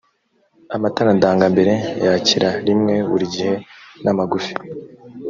amatara ndangambere yakira rimwe buri gihe n’amagufi